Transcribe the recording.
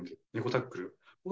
タックル